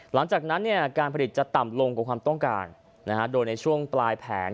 หลังจากนั้นการผลิตจะต่ำลงกว่าความต้องการโดยในช่วงปลายแผน